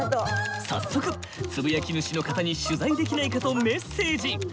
早速つぶやき主の方に取材できないかとメッセージ！